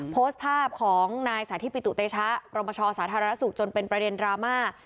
โพสต์ภาพของนายสาธิปิตุเตชะรมชสาธารณสุขจนเป็นประเด็นดราม่า